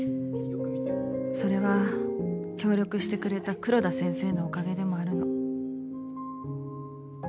それは協力してくれた黒田先生のおかげでもあるの。